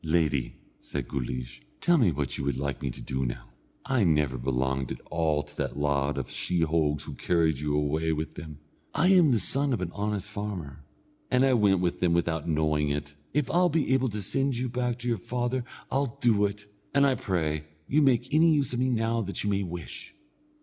"Lady," said Guleesh, "tell me what you would like me to do now. I never belonged at all to that lot of sheehogues who carried you away with them. I am the son of an honest farmer, and I went with them without knowing it. If I'll be able to send you back to your father I'll do it, and I pray you make any use of me now that you may wish."